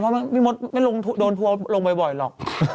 เพราะพี่มดไม่ลงโดนทัวร์ลงบ่อยหรอก